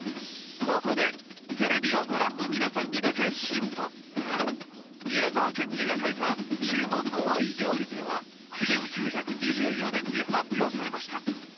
ここでテレビをご覧の皆さんにだけヒント宮沢賢治が書いた「注文の多い料理店」は１９２４年に発表されました